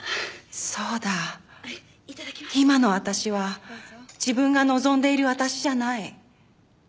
そうだ今の私は自分が望んでいる私じゃない。